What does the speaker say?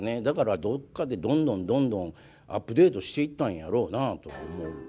だからどっかでどんどんどんどんアップデートしていったんやろうなあとは思う。